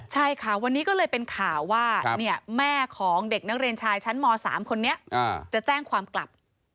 ใช่ค่ะวันนี้ก็เลยเป็นข่าวว่าแม่ของเด็กนักเรียนชายชั้นม๓คนนี้จะแจ้งความกลับ